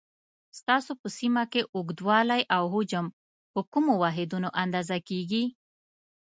ستاسو په سیمه کې اوږدوالی او حجم په کومو واحدونو اندازه کېږي؟